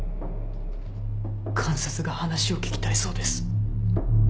監察が話を聞きたいそうです。